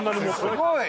すごい。